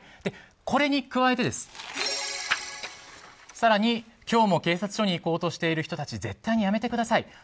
これに加えて、更に今日も警察署に行こうとしている人たち絶対にやめてください。